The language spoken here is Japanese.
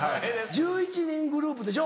１１人グループでしょ？